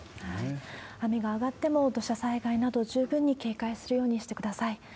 雨が上がっても、土砂災害など、十分に警戒するようにしてください。